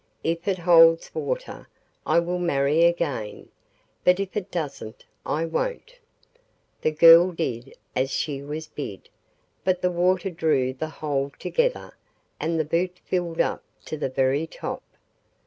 If it holds water I will marry again, but if it doesn't I won't.' The girl did as she was bid, but the water drew the hole together and the boot filled up to the very top.